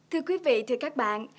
thưa quý vị thưa các bạn